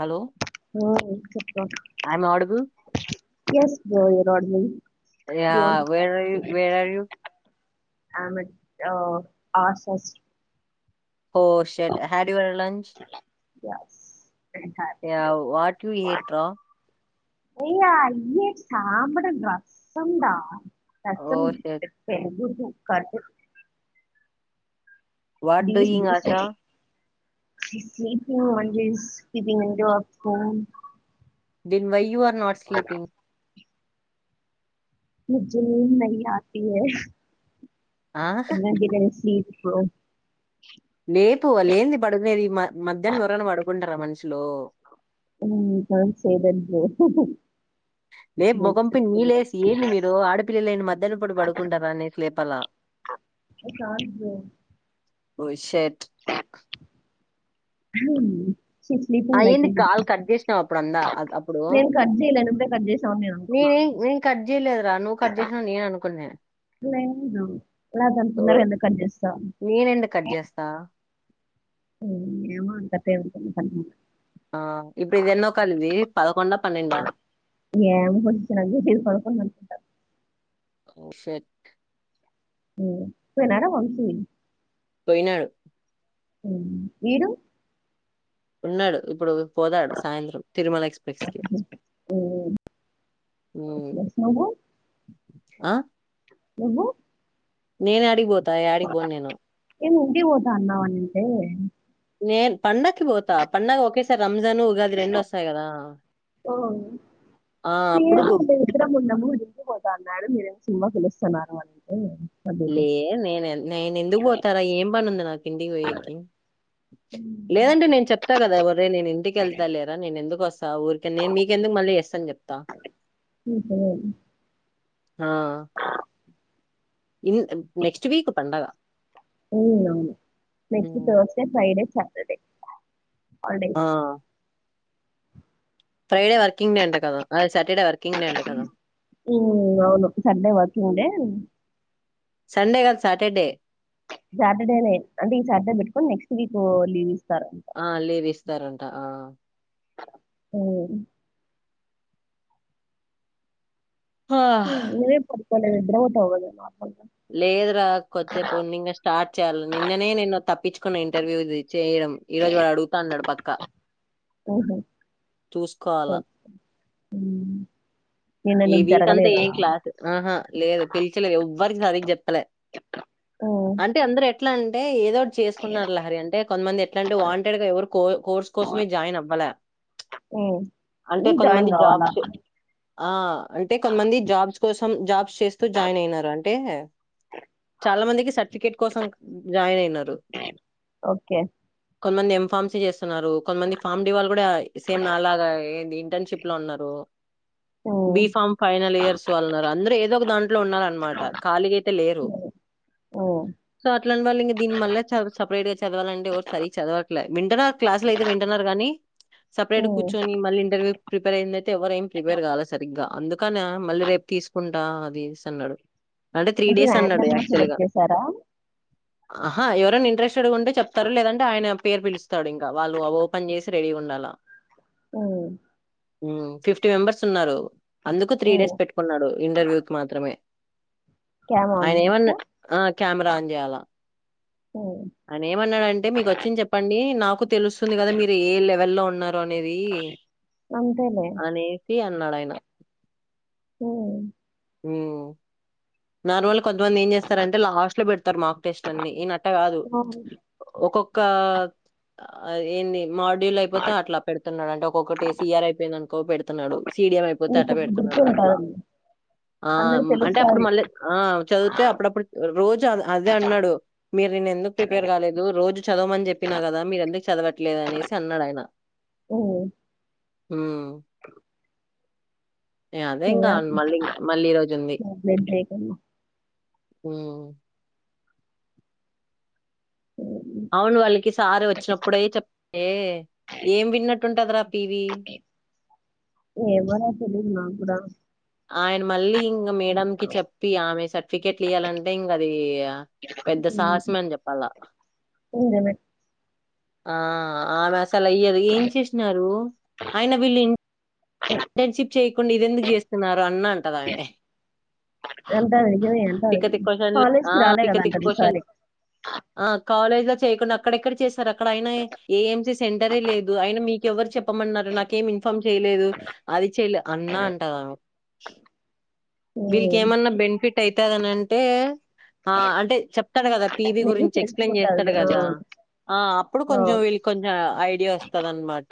Hello మ్మ్ చెప్పు [unintelligible] don't worry [unintelligible] ఆమెడో ఆసస్ హో షెట్ హడ్ యువరె లంచ్ యస్ ఏయ్ వాట్ యూ హేట్ రా అయ్యా అయ్యే సాంబడం, రసం డా రసం, పెరుగు [unintelligible] బీస్ బీస్ [unintelligible] [unintelligible] దిన్ why you are not sleeping ముజే నహీ ఆతి హే [unintelligible] హ లేపు వాళ్ళేంది పడుకునేది మ మధ్యాహ్నం ఎవరన్న పడుకుంటారా మనుషులు మ్ పని చేయిదంటలే. లేేపు ముఖం పై నీళ్ళేసి ఏంది మీరు ఆడపిల్లలయిండి, మధ్యాహ్నం పూట పడుకుంటారా అనేస్ లేపల్ల. ఇది చాలు బ్రో ఓయ్ షట్. హ శీ ఆ స్లీపింగ్ లైక్ ఏంది ఎ కాల్ లిటిల్ కట్ న్స్. చేసినావు అప్పుడు అందా అ- అప్పుడు నేన్ కట్ చేయలే నువ్వే కట్ చేసావని నేను అనుకున్నా. ఎ నేను కట్ చేయలేదురా. నువ్వు కట్ చేసావు అని నేను అనుకున్న. లేదు. ఎలాగనుకున్నారు? ఎందుకు కట్ చేస్తా? నేనెందుకు కట్ చేస్తా మ్ ఏమో కట్ అయింది అనుకొని, కట్ చే ఆ ఇప్పుడు ఇది ఎన్నో కాల్ ఇది పదకొండా, పన్నెడా? ఏమో బ. [unintelligible] పదకొండు అనుకుంట. ఓ షట్ మ్. పోయినాడా వంశీ? పోయినాడు. మ్ మీరు? ఉన్నాడు. ఇప్పుడు పోతాడు, సాయంత్రం తిరుమల ఎక్స్ప్రెస్కి. హ్మ్. యెస్. మ్. యెస్. ఆ, ఉహు నేను యాడికిపోతాను? యాడికి పోను నేను. ఏమో ఇంటికి పోతా, అన్నావంటే! నేను పండకి పోతా. పండగ ఒకేసారి రంజాన్, ఉగాది రెండు వస్తాయి కదా! ఆ అప్పుడు నేను పో అంటే ఇద్దరం ఉన్నము. దింపిపోతా అన్నాడు మీరేం సినిమా పిలుస్తన్నారు అంటే, లే నేను నేను ఎందుకు పోతారా? ఏం పనుంది నాకు ఇంటికి పోయకి? హ్మ్. లేదంటే నేను చెప్తా కదా, ఒరే నేను ఇంటికెళ్తా లేరా నేను ఎందుకు వస్ త ఊరికనే మీకెందుకు మళ్ళీ ఎస్ అని చెప్తా. హ్మ్. హ్మ్. ఆ ఇన్ నెక్స్ట్ వీక్ పండగ. ఉ అవును. Next um Thursday, Friday, Saturday ఆ ఫ్రైడే వర్కింగ్ డే అంట కదా! అద సాటర్డే వర్కింగ్ డే అంట కదా! మ్ అవును సండే వర్కింగ్ డే. ఉమ్. సండే కాదు సాటర్డే. సాటర్డేనే. అంటే, ఈ సాటర్డే పెట్టుకొని, నెక్స్ట్ వీక్ లీవ్ ఇస్తారంట. ఆ లీవ్ ఇస్తారంట ఆ. ఆ హా, లేదు పడుకోలేదు. నిద్రపోతావు కదా నా లేదు రా కొద్దిసేపు ఉండి, ఇంక స్టార్ట్ చేయాల నిన్ననే నేను తప్పించుకున్న. ఇంటర్వ్యూది చెయ డం. ఈరోజు వాడు అడుగుతాన్నడు పక్ మ్హు, ఓకె. చూసుకోవాలా మ్మ్. ఈ వీక్ అంతా ఏం క్లాస్, ఆహా లేదు. పిలిచలే, ఎవ్వరికి సరిగా చెప్పలే. హ్మ్. అంటే, అందరు ఎట్ల అంటె ఏదోటి చేసుకున్నారు లహరి. అంటే కొంతమంది ఎట్లాంటే, వాంటెడ్ గా ఎవరు కోర్స్ కోసమే జాయిన్ అవ్వల. మ్ నువ్ జాయిన్ కావాల? జాబ్స్ ఆ అంటే కొంతమంది, జాబ్స్ కోసం, జాబ్స్ చేస్తూ జాయిన్ అయినారు. అంటే, చాలా మందికి సర్టిఫికేట్ కోసం, జాయిన్ అయినారు. ఓకే. కొంతమంది ఎం ఫామ్సీ చేస్తున్నారు. కొంతమంది, ఫామ్ డి వాళ్ళు కూడ, సేమ్ నా లాగ ఏంది ఇంటెన్షిప్ లో ఉన్నారు. బి హ్మ్. ఫామ్ ఫైనల్ ఇయర్స్ వాళ్ళు ఉన్నారు. అందరు ఏ దొ ఒక దాంట్లో ఉన్నారన్నమాట. ఖాళీగా అయితే లేరు. హ్మ్. హ్మ్ సో, అట్లాంటి వాళ్ళు ఇంకా దీని మాళ్ళ చ సపరేట్గా చదవాల అంటే ఎవరు సారిగ చదవాట్లే వింటన్నారు కానీ క్లాసులు అయితే వింటన్నారు కాని సపరేట్ గా హ్మ్. కూర్చొని మళ్ళీ ఇంటర్వ్యూ కీ ప్రిపేర్ అయ్యింది అయితే ఎవరు ఎమ్ [inaudible] ప్రిపేర్ కాలా సరిగ్గా అందుకని మళ్ళీ రేపు తీసుకుంటా అది సి అన్నాడు అంటే త్రీ డేస్ అన్నాడు ర్యాండమ్‌గా సెలెక్ట్ యాక్చువల్గా చేసారా? ఆహా ఎవరైనా ఇంట్రెస్టెడ్గా ఉంటే చెప్తారు లేదంటే ఆయన పేరు పిలుస్తాడు ఇంకా వాళ్ళు అ ఓపెన్ చేసి రెడీగా ఉండాల హ్మ ఉమ్ ఫిఫ్టీ మెంబర్స్ ఉన్నారు అందుకు త్రీ హ్మ్. డేస్ పెట్టుకున్నాడు ఇంటర్వ్యూ కి మాత్రమే క్యామ్ ఆన్ ఆయన చేసా? ఏమన్నా ఆ కెమెరా ఆన్ చేయాలా హ్మ్. ఆయనా ఏమన్నాడంటే మీకు వచ్చింది చెప్పండి నాకు తెలుస్తుంది కదా మీరు ఏ లెవెల్లో ఉన్నా రు అనేది అంతేలే. అనేసి అన్నాడు ఆయన హ్మ్ హ్మ్ నార్మల్ కొంతమంది ఏం చేస్తారంటే లాస్ట్ లో పెడతారు మార్క్ టెస్ట్ లు అన్నీ ఈయన అట్లా కాదు అవును. ఒకొక్క కా ఆ ఏంది మాడ్యూల్ అయిపోతే అట్లా పెడుతున్నాడుంట ఒ ఒక్కటి సిఆర్ అయిపోయిందనుకో పెడుతున్నాడు సీడియం అయిపోతే అట్ట నీకప్పుడు పెడుతున్నాడు అట్లా గుర్తుంటది. ఆ అందరికి అంటే అప్పుడు తెలుస్తది. మళ్ళీ ఆ చదివితే అప్పుడప్పుడు రోజు ఆ అదే అన్నాడు మీరు నిన్న ఎందుకు ప్రిపేర్ కాలేదు రోజు చదవమని చెప్పినా కదా మీరు ఎందుకు చదవ అవట్లేదు అనేసి అన్నాడు ఆయన హ్మ్ హ్మ్ ఎ అదే ఇంకా చేయాలి. మళ్ళీ ఇక మళ్ళీ ఈ రోజు ఉంది చాక్లెట్ డ్రాగన్ హ్మ్ అవును వాళ్ళకి సార్ వచ్చినప్పుడే చాప్ ఏ ఏం విన్నట్టుంటది రా పివీ ఏమో రా తెలీదు నాక్కుడ ఆయన మళ్ళీ ఇంక మేడంకి చెప్పి ఆమె సర్టిఫికెట్లు ఇయ్యాలంటే ఇంక అది పెద్ద ఉమ్, సాహసం అని చెప్పాలా [unintelligible] ఆ ఆమె అసలు ఈయ్యదు ఏం చేసినారు ఆయన వీళ్ళు ఇన్ ఇంటర్నెషిప్ చేయకుండా ఇదీ ఎందుకు చేస్తున్నారు అన్న అంటద ఆమె అంటారు నిజమే అంటారు తిక్క తిక్క కొశన్లు కాలేజ్ ఆ కి రాలే తిక్క కదా తిక్క అంటారు కొశన్ ఈసారి ఆ కాలేజ్ లో చేయకుండా అక్కడెక్కడ చేస్తారు అక్కడ అయినా ఏం చేస్ సెంటరే లేదు అయిన మీక ఎవరు చెప్పమన్నారు నాకేమి ఇన్ఫార్మ్ చేయలేదు అది చెల్లి అన్న అంటద వీళ్ళకి ఉమ్, ఏమన్నా బెనిఫిట్ అయితది అని అంటే ఆ అంటే చెప్ స్తాడు కదా పీబి మేబీ గురించి ఎక్స్ప్లెయిన్ తెలుసుకుంటారు చేస్తాడు ఆ, కదా ఆ అప్పుడు ఆ, కొంచెం వీళ్ళకి కొంచెం ఐడియా వస్తంది అన్నమాట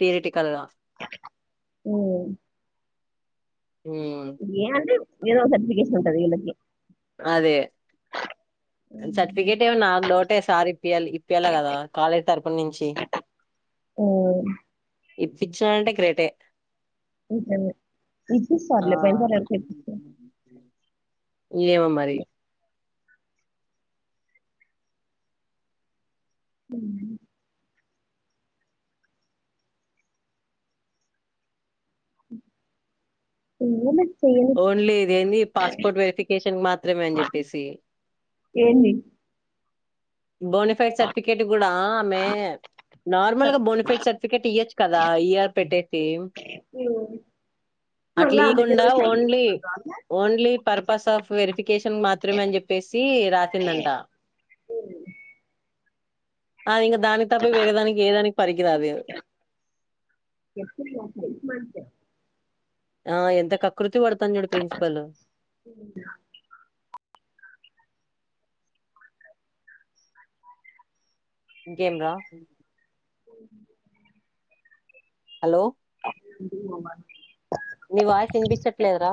తీరిటికల్ గా హ్మ్ ఉమ్ ఏంది ఏదో ఒక సర్టిఫికేషన్ ఉంటది ఇలాకి అదే ఉమ్, సర్టిఫికేట్ ఏమో నాకు డౌటే సార్ ఇప్పయాలీ ఇప్పయాల కదా కాలేజ్ తరపుున నుంచి ఉం ఇపిచినాడ్ అంటే గ్రేట్ ఏ ఇపిస్తార్ లే పైసలు కడితే ఇపిస్తార్ ఇంగ ఉన్నాయి హ్మ్ హ్మ్ ఎవరు ఓన్లీ ఇది ఏందీ పాస్పోర్ట్ వెరిఫికేషన్ మాత్రమే అని చెప్పేసి ఏందీ బయట సర్టిఫికేట్ కూడా ఆమె నార్మల్ గా బెనిఫిట్ సర్టిఫికేట్ ఇయొచ్చు కదా ఇఆర్ పెట్టేసి ఓ అట్లా ఇకుండా only only purpose of verification మాత్రమే అని చెప్పేసి రాసిందంట ఆవు దానికి తప్ప వేరే దానికి ఏదానికి పరికి రాదు వస్తుంది [unintelligible] ఆ ఎంత కకృతి పడతాను చూడు ప్రిన్సిపల్ ఇంకేం రా ఎం లెదు హలో నీ వాయిస్ వినిపించట్లేదురా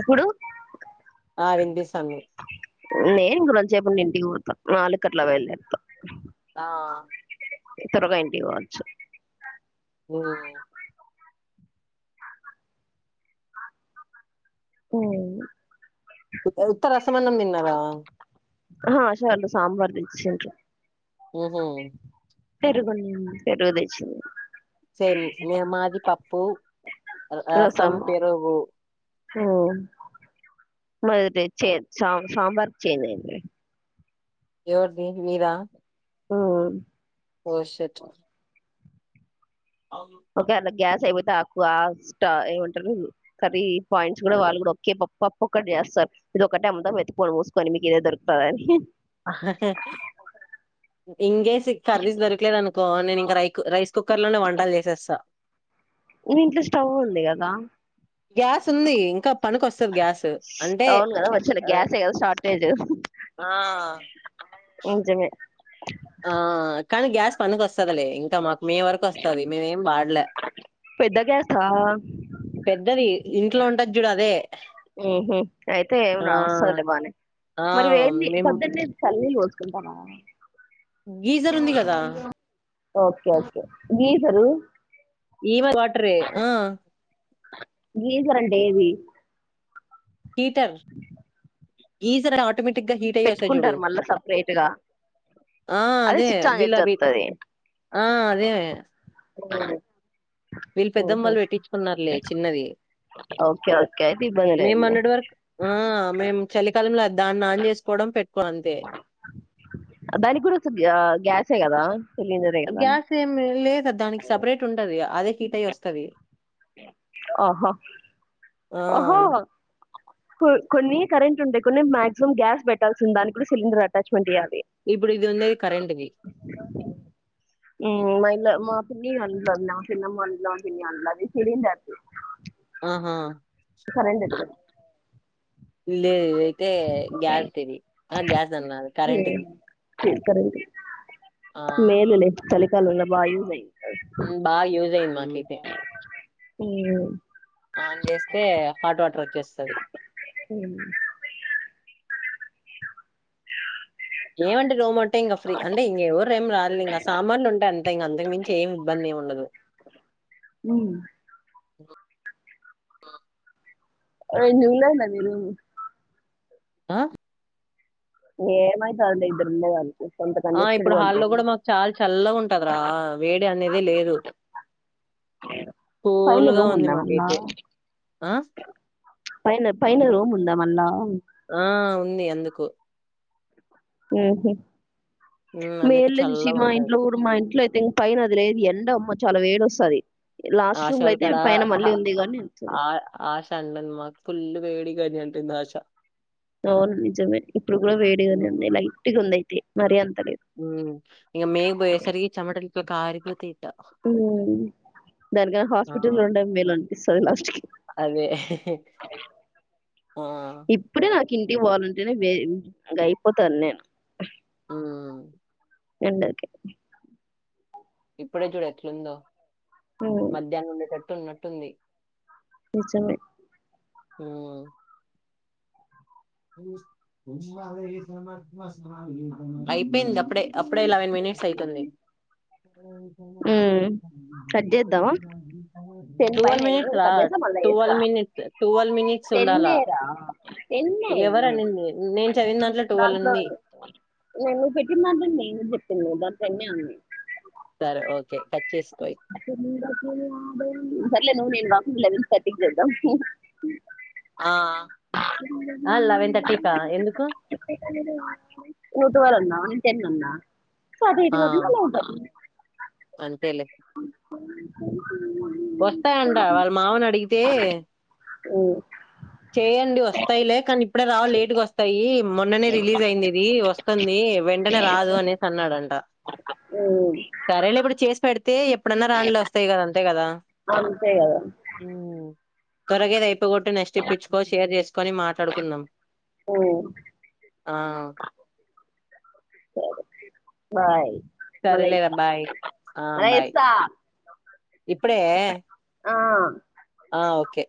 ఇప్పుడు ఆవిని పిస్తది నేను ఇంగరోతసేపు ఉండి ఇంటికి పోత నాలుగుకట్లా బయల్దేర్త ఆ ఇ త్వరగా ఇంటివచ్చు ఓ హ్మ్ ఉత్త రసమన్నాము తిన్నావా హ హషలో సాంబార్ దిచ్చంట ఓహో పెరుగు పెరుగు డిచ్చిన సేమ్ మే మాది పప్పు రసం పెరుగు ఓ మాది తెచ్చె సామ్ సాంబార్ చేయమండి ఎవరిది వీరా ఆ ఓ షట్ అవును ఒకవేళ గ్యాస్ అయిపోతే ఆక్కువ స్ట ఏమంటారు కర్రీ పాయింట్స్ కూడా వాళ్ళు కూడా ఒకే పప్పు ఒకటి చే సార్ ఇది ఒక టైమ్ందా మత్తిపోని మూసుకొని మీకు ఎం పెడతా ఆహా హ ఇంకేసి కర్రీస్ దొరకలేదు అనుకో నేను ఇంక రై రైస్ కుక్కర్ లోనే వంటలు చేసేస్తా మీ ఇంట్లో స్టవ్ ఉంది కదా గ్యాస్ ఉంది ఇంకా పనికివోస్తుది గ్యాస్ అంటే అవును కదా వచ్చేలే గ్యాసే కదా షార్టేజ్ ఆ ఆ నిజమే ఆ కానీ గ్యాస్ పడుగ వస్తందిలే ఇంకా మాకు మే వరకు వస్తుది మేము ఎమి వాడలే పెద్ద గ్యాస్ ఆ పెద్దది ఇంట్లో ఉంటది చూడు అదే ఉహూ అయితే ఆ వస్తుదలే బానే ఆ మరి వే మేము పొద్దున్న చల్లిల్లు పోసుకుంటా వ గీజర్ ఉంది కదా ఓకే ఓకే గీజరు ఈమా వాటరు హ గీసరంటే ఏది హీటర్ గీజర్ ఆటోమేటిక్గా హిటై ఒస్తాయి జూడు పెట్టుకుంటారు మళ్ళా సపరేట్‌గా. ఆ అదే స్విచ్ ఆన్ విలా చేత్తే బీ వత్తది. ఆ అదే వీళ్ళు పెద్దమ్ ఓహో! వాళ్ళు పెట్టించుకున్నారులే చిన్నది ఓకే. ఓకే. అయితే ఇబ్బంది మేము మొ లేదులే. న్నటి వరకు ఆ మేము చలికాలంలో దాన్ని ఆన్ చేసుకోవడం పెట్టుకో అంతే తే కదా సిలిండరే కదా! గ్యాస్ ఏమి లేదు దానికి సపరేట్ ఉంటది అదే హీట్ అయి వస్తది ఆహో ఆ కొన్ని కరెంట్ ఉంటాయి కొన్ని మాక్సిమం గ్యాస్ పెట్టాల్సింది దానికి కూడా సిలిండర్ అటాచ్మెంట్ చేయ్యాలి ఇప్పుడు ఇది ఉండది కరెంట్ది హ్మ్. మా ఇంట్లో మా పిన్నీ వాళ్ళ ఇంట్లో ఉన్నది మా పిన్నమా వాళ్ళ ఇంట్లో అది సిలిండర్ ది ఆహా కరెంట్ ది లేదు ఇది అయితే గ్యాస్ ది ఆ గ్యాస్ అంటున్న కరెంట్ ది మేలులే చలికాలం లో బాగా యూస్ అవుతాది బాగా యూజ్ అయింది మాకైతే హ్మ్మ్ ఆన్ చేస్తే హాట్ వాటర్ వ ఉం ఏమంటడి రోమంట ఇంకా ఫ్రీ అంటే ఇంకవరు ఏం రారూ ఇంకా సామాన్లుంటే అంత ఇంకా అంతకు మించి ఏమి ఇబ్బంది ఉండదు దు హ్మ్మ్ [unintelligible] ఆ ఏమయితాదులే ఇద్దరూ ఉండేదానికి కొంత ఆ కంజెస్టెడ్ ఇప్పుడు గా హాల్లో ఉంటుంది కూడా మాకు చాలా చల్లగ ఉంటది రా వేడి అనేదే లేదు పైన కూలుగా రూమ్ ఉంది ఉందా మళ్ళా మాకైతే ఆ పైన పైనైన రూమ్ ఉందా ఏమన్న ఆ ఉంది అందుకు ఉహ ఉమ్, అందుకు మేలు చూసి చల్లగా మా ఉంటది ఇంట్లో కూడాఊడు మా ఇంట్లో దీని పైన అది లేదు ఎండ అమ్మ చాలా వేడి వస్తుంది ఆ షల్ కాడ గాని ఆ ఆష అన్నన్ మకు ఫుల్ వేడిగ అంటుంది ఆశ అవును నిజమే ఇప్పుడు కూడా వేడిగానే ఉంది లైట్ ఉంది అయితే మరి అంత లేదు ఉ ఇగ మే పోయే సరికి చెమటలు తో కారిపోతది ఇట్లా దానికన్న ఆ, హాస్పిటల్ లో ఉండటం మేలు అనిపిస్తది లాస్ట్ కి అదే ఆ ఇంటికి పోవాలంటే ఇగ అయిపోతాను నేను హ్మ్మ్ ఎండకి ఇప్పుడే చూడు ఎట్లుందో హ్మ్ మధ్యాహ్నం ఉండేటట్టు ఉన్నట్టుంది నిజమే హ్మ్మ్ అయిపోయింది అప్పుడే అప్పుడే లెవెన్ మినీ మీస్ అయితుంది హ్మ్ హు కట్ చేద్దామా [inaudible] టెన్ పైనే ఏదో ఒక్కటి చేస్తా మళ్ళా చేస్తా మినిట్స్ ట్వెల్వ్ మినిట్స్ టెన్ ఉండాలా నేరా టెన్ హు ఎవరనింది నేను చదివిన ట్వెల్వ్ దాంట్లో ఉంది ను నేను నువ్వు పెట్టిన దాంట్లో నువ్వు టెన్ టెన్ నే ఉన్నయి సరే ఓకే కట్ చేస్త సర్లే నువ్వు నేను వకింగ్ లెవెన్ థర్టీ కి చేదాం ఆ లెవెన్ థర్టీకా ఎందుకు ఊట్ ఎవరన్నా టెన్ అన్న అటు ఇటు ఆ కొట్టిన నూట [unintelligible] అంతేలే [inaudible] వస్తాయంట వాళ్ళ మామ ని అడిగితే చెయయండి వస్తాయిలే కానీ ఇప్పుడే రావు లేట్గా వస్తాయి మొన్ననే రిలీజ్ అయింది ఇది వస్తుంది కే వెంటనే రాదు అనేసి అన్నాడంట [inaudible] సరేలే ఇప్పుడు చేసి పెడితే అయితే ఎప్పుడన్నా రానియ్ లే వస్తాయి కదా అంతే కదా అంతే కదా హు త్వరగా ఇది అయిపోగొట్టుకో నెక్స్ట్ ఇపించుకో షేర్ చేసుకొని మాట్లాడుకుందాం ఊ ఆ సరే బాయ్ మల్ల సరేలేరా చేస్తా బాయ్ ఆ మల్ల బాయ్ చేస్తా ఇప్పుడే ఆ ఓకే